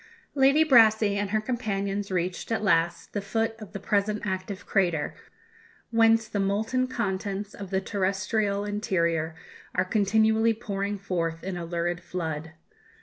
Lady Brassey and her companions reached, at last, the foot of the present active crater, whence the molten contents of the terrestrial interior are continually pouring forth in a lurid flood.